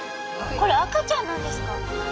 これ赤ちゃんなんですか？